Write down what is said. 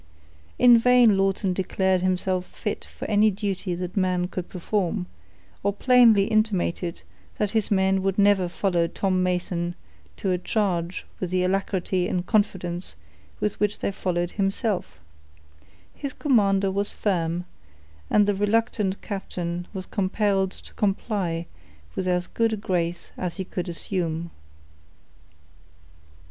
In vain Lawton declared himself fit for any duty that man could perform, or plainly intimated that his men would never follow Tom Mason to a charge with the alacrity and confidence with which they followed himself; his commander was firm, and the reluctant captain was compelled to comply with as good a grace as he could assume.